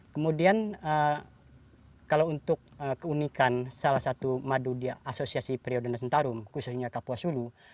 kemudian kalau untuk keunikan salah satu madu dia asosiasi periode sentarum khususnya kapuasulu